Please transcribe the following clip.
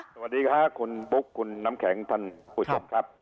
สวัสดีค่ะคุณบุ๊คคุณน้ำแข็งท่านผู้ชมครับ